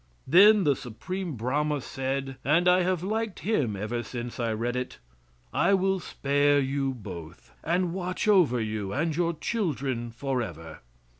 Then the Supreme Brahma said and I have liked him ever since I read it "I will spare you both, and watch over you and your children forever."